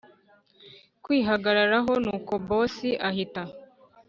kwihagararaho nuko boss ahita